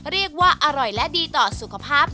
เรียกว่าอร่อยและดีต่อสุขภาพ